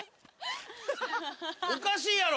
おかしいやろ。